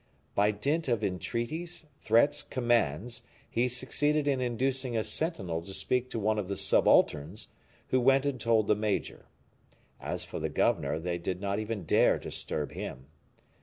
By dint of entreaties, threats, commands, he succeeded in inducing a sentinel to speak to one of the subalterns, who went and told the major. As for the governor they did not even dare disturb him.